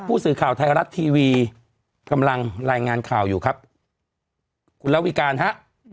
ผู้สื่อข่าวที่วีกำลังรายงานข่าวอยู่ครับละวิการค่ะ